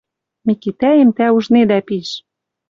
Микитӓэм тӓ ужнедӓ пиш.